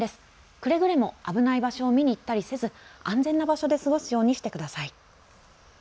くれぐれも危ない場所を見に行ったりせず安全な場所で過ごすようにしてください。